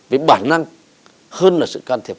về bản năng hơn là sự can thiệp